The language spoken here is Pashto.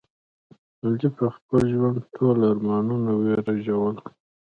علي په خپل ژوند ټول ارمانونه ورېژول.